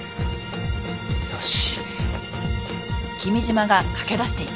よし！